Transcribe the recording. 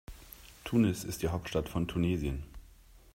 Tunis ist die Hauptstadt von Tunesien.